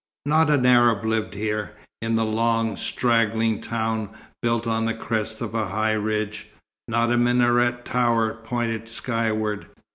Not an Arab lived here, in the long, straggling town, built on the crest of a high ridge. Not a minaret tower pointed skyward.